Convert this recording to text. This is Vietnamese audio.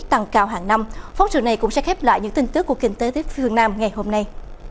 tăng cao hàng năm phóng sự này cũng sẽ khép lại những tin tức của kinh tế tiếp phương nam ngày hôm nay